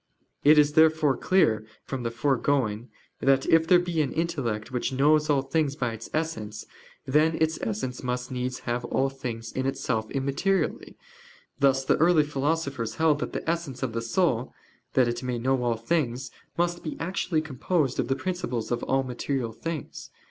It is therefore clear from the foregoing, that if there be an intellect which knows all things by its essence, then its essence must needs have all things in itself immaterially; thus the early philosophers held that the essence of the soul, that it may know all things, must be actually composed of the principles of all material things.